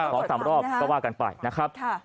ตรวจซ้ำรอบก็ว่ากันไปนะครับ